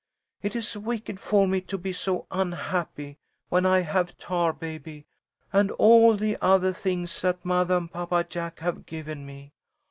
"It is wicked for me to be so unhappy when I have Tarbaby and all the othah things that mothah and Papa Jack have given me.